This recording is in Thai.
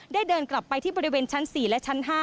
เดินกลับไปที่บริเวณชั้น๔และชั้น๕